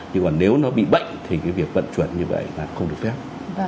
nhưng mà nếu nó bị bệnh thì cái việc vận chuyển như vậy là không được phép